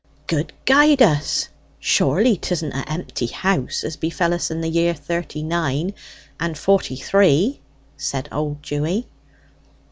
"Good guide us, surely 'tisn't a' empty house, as befell us in the year thirty nine and forty three!" said old Dewy.